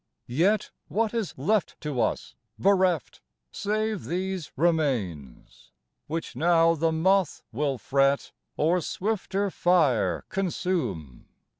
Yet what is left To us bereft, Save these remains, Which now the moth Will fret, or swifter fire consume?